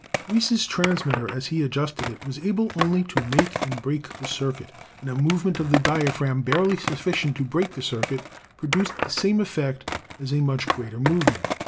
Reis' transmitter, as he adjusted it, was able only to make and break the circuit, and a movement of the dia phragm barely sufficient to break the circuit produced the same effect as a much greater movement.